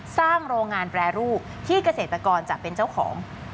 โรงงานแปรรูปที่เกษตรกรจะเป็นเจ้าของ